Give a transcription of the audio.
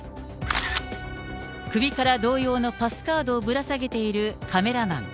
首から同様のパスカードをぶら下げているカメラマン。